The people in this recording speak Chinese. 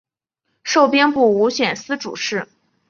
授兵部武选司主事。